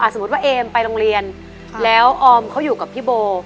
สมมุติว่าเอมไปโรงเรียนแล้วออมเขาอยู่กับพี่โบ